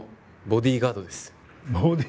ボディーガード。